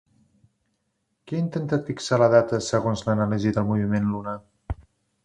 Qui ha intentat fixar la data segons l'anàlisi del moviment lunar?